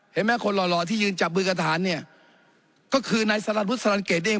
เห็นไหมคนหล่อหล่อที่ยืนจับมือกับทางเนี่ยก็คือในสถานพุทธสถานเกรดเอง